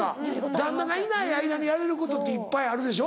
旦那がいない間にやれることっていっぱいあるでしょ？